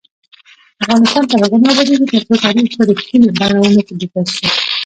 افغانستان تر هغو نه ابادیږي، ترڅو تاریخ په رښتینې بڼه ونه لیکل شي.